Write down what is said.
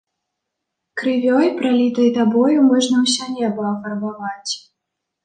Крывёй, пралітай табою, можна ўсё неба афарбаваць.